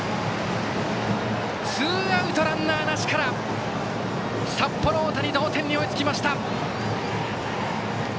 ツーアウト、ランナーなしから札幌大谷、同点に追いつきました。